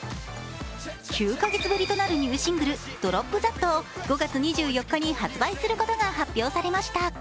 ９か月ぶりとなるニューシングル「ＤＲＯＰＴｈａｔ」を５月２４日に発売することが発表されました。